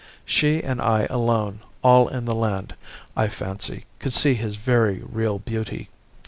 She and I alone all in the land, I fancy, could see his very real beauty.